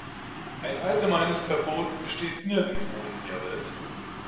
Ein allgemeines Verbot besteht nirgendwo in der Welt.